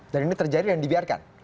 dan ini terjadi dan dibiarkan